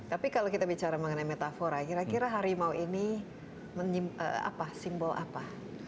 tapi kalau kita bicara mengenai metafora kira kira harimau ini simbol apa